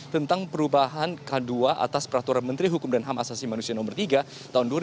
tentang perubahan k dua atas peraturan menteri hukum dan hak asasi manusia nomor tiga tahun dua ribu dua